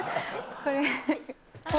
これ。